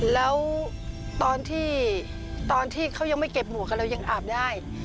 แล้วตอนที่เขายังไม่เก็บหมวกเรายังอาบได้